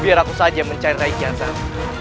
biar aku saja mencari rai kiansal